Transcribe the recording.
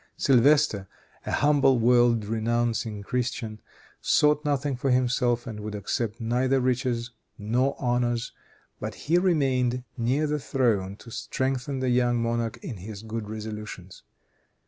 Sylvestre, a humble, world renouncing Christian, sought nothing for himself, and would accept neither riches nor honors, but he remained near the throne to strengthen the young monarch in his good resolutions.